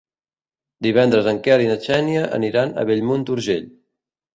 Divendres en Quel i na Xènia aniran a Bellmunt d'Urgell.